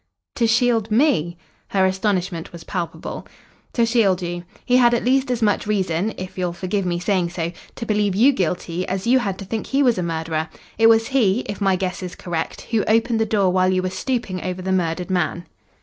"To shield me?" Her astonishment was palpable. "To shield you. He had at least as much reason if you'll forgive me saying so to believe you guilty as you had to think he was a murderer. It was he if my guess is correct who opened the door while you were stooping over the murdered man.